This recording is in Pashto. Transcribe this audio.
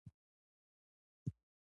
پنځه زره وږي غنم اخیستي دي.